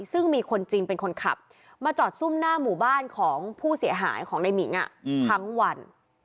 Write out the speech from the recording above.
ซึ่งมีคนจริงเป็นคนขับมาจอดซุ่มหน้าหมู่บ้านของผู้เสียหายของในหมิงทั้งวัน